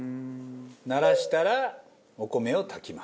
ならしたらお米を炊きます。